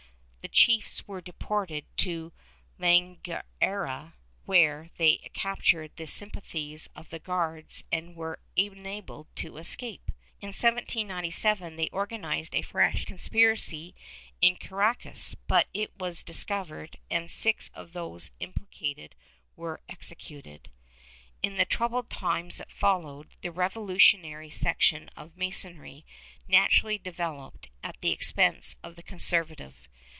The chiefs were deported to Laguayra where they captured the sympathies of their guards and were enabled to escape. In 1797 they organized a fresh conspiracy in Caraccas, but it was discovered and six of those implicated were executed.^ In the troubled times that followed, the revolutionary section of Masonry naturally developed, at the expense of the conserva tive.